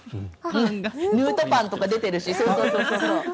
ヌートパンとか出てるし。